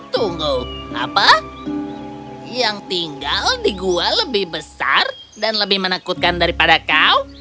tunggu apa yang tinggal di gua lebih besar dan lebih menakutkan daripada kau